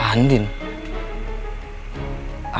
aku akan damain dia